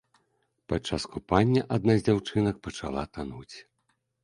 Падчас купання адна з дзяўчынак пачала тануць.